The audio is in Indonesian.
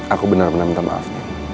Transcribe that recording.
aku benar benar minta maaf